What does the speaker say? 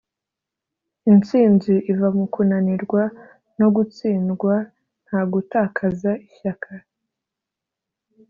“intsinzi iva mu kunanirwa no gutsindwa nta gutakaza ishyaka.”